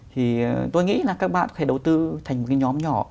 thì tôi nghĩ là các bạn phải đầu tư thành một cái nhóm nhỏ